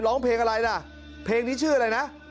ร้องเพลงอะไรล่ะเพลงนี้ชื่ออะไรนะ